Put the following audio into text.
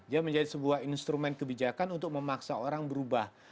dia menjadi sebuah instrumen kebijakan untuk memaksa orang berubah